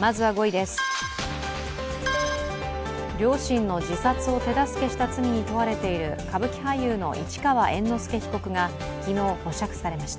まずは５位です、両親の自殺を手助けした罪に問われている歌舞伎俳優の市川猿之助被告が昨日、保釈されました。